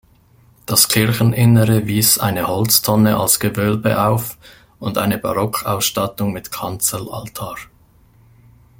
Das Kircheninnere wies eine Holztonne als Gewölbe auf und eine Barockausstattung mit Kanzelaltar.